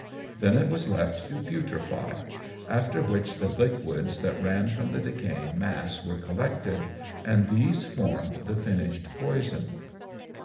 Then it was left to putrefy, after which the liquids that ran from the decaying mass were collected, and these formed the finished poison.